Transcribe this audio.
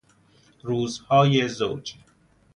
روزهای زوج